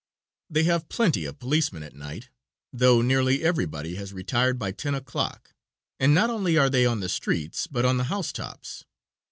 They have plenty of policemen at night, though nearly everybody has retired by 10 o'clock, and not only are they on the streets, but on the housetops.